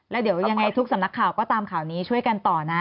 แล้วเดี๋ยวยังไงทุกสำนักข่าวก็ตามข่าวนี้ช่วยกันต่อนะ